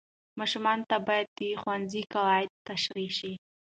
ماشوم ته باید د ښوونځي قواعد تشریح شي.